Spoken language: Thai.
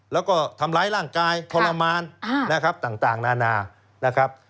แล้วก็ทำร้ายร่างกายทรมานต่างนานา